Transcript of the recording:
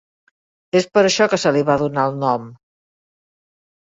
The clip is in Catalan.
És per això que se li va donar el nom.